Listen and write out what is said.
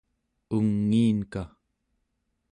ungiinka